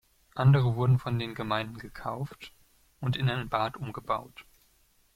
Andere wurden von den Gemeinden gekauft und in ein Bad umgebaut.